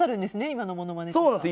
今のものまねとか。